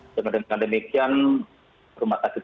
dan dengan demikian rumah sakit